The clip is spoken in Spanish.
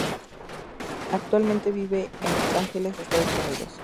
Actualmente vive en Los Ángeles, Estados Unidos.